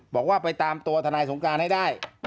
บอกว่าไปตามตัวทนายสงการให้ได้